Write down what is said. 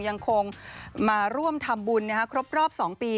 ยังคงมาร่วมทำบุญครบรอบ๒ปี